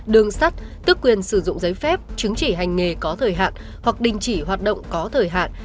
đường sắt tước quyền sử dụng giấy phép chứng chỉ hành nghề có thời hạn hoặc đình chỉ hoạt động có thời hạn